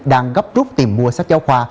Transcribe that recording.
đang gấp rút tìm mua sách giáo khoa